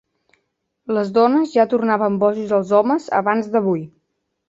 Les dones ja tornaven bojos als homes abans d'avui.